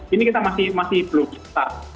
ini kita masih belum bisa